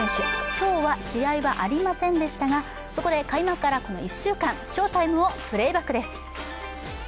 今日は試合はありませんでしたが、そこで開幕からこの１週間、翔タイムをプレーバックです。